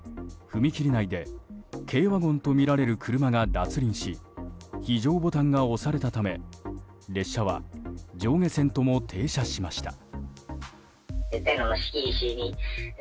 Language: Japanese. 踏切内で軽ワゴンとみられる車が脱輪し非常ボタンが押されたため列車は上下線とも停車しました。